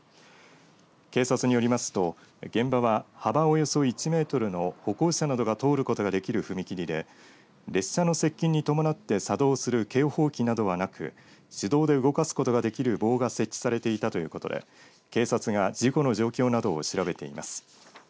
警察によりますと現場は、幅およそ１メートルの歩行者などが通ることができる踏切で列車の接近に伴って作動する警報機などはなく手動で動かすことができる棒が設置されていたということで警察が事故の状況などを調べています。